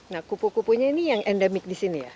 nah kupu kupunya ini yang endemik di sini ya